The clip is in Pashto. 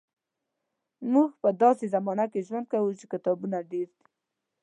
موږ په داسې زمانه کې ژوند کوو چې کتابونه ډېر دي.